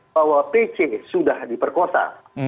bahwa pc sudah diperkosa